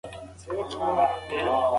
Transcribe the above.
زده کوونکي په ارامه فضا کې ښه زده کوي.